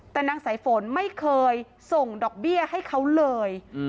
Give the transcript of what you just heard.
แต่นางสายฝนไม่เคยส่งดอกเบี้ยให้เขาเลย